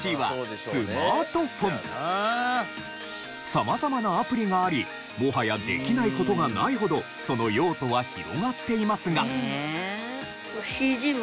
様々なアプリがありもはやできない事がないほどその用途は広がっていますが。